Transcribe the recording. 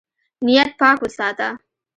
نیت پاک وساته.